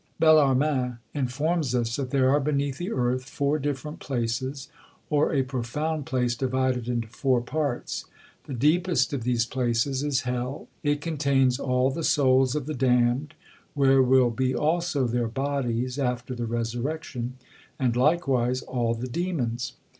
Bellarmin informs us that there are beneath the earth four different places, or a profound place divided into four parts. The deepest of these places is Hell; it contains all the souls of the damned, where will be also their bodies after the resurrection, and likewise all the demons.